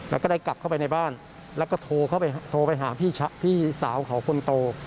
แล้วก็ได้กลับเข้าไปในบ้านแล้วก็โทรเข้าไปโทรไปหาพี่สาวเขาคนโต